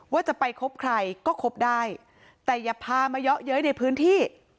ว่าจะไปคบใครก็คบได้แต่อย่าพามาเยอะเย้ยในพื้นที่